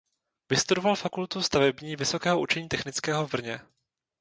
Vystudoval Fakultu stavební Vysokého učení technického v Brně.